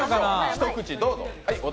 一口どうぞ。